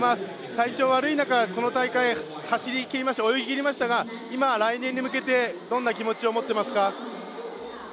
体調悪い中この大会、泳ぎ切りましたが今は来年に向けてどんな気持ちを持っていますか。